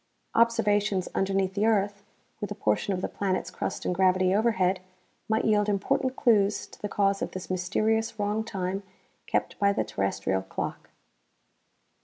Observations underneath the earth, with a portion of the planet's crust and gravity overhead, might yield important clues to the cause of this mysterious wrong time kept by the terrestrial clock.